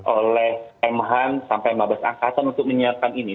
oleh m han sampai mabes angkatan untuk menyiapkan ini